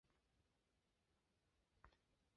天佑十一年五月完工。